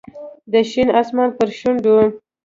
د شین اسمان پر شونډو